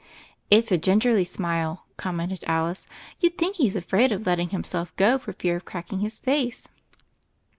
"It's a^ gingerly smile," commented Alice; "you'd think he's afraid of letting himself go for fear of cracking his face."